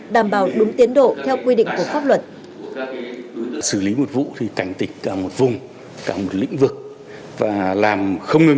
đảm bảo đúng tiến độ theo quy định của pháp luật